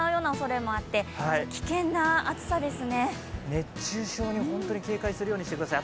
熱中症に本当に警戒するようにしてください。